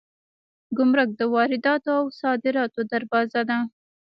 ګمرک د وارداتو او صادراتو دروازه ده